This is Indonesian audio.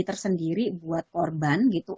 tersendiri buat korban gitu